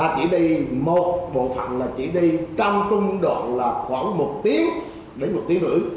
chỉ đi một bộ phận chỉ đi trong cung đoạn khoảng một tiếng đến một tiếng rưỡi